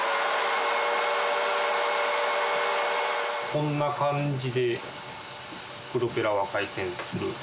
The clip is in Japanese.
こんな感じでプロペラは回転する。